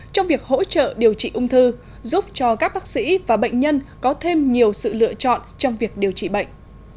trong việc hỗ trợ điều trị ung thư giúp cho các bác sĩ và bệnh nhân có thêm nhiều sự lựa chọn trong việc điều trị bệnh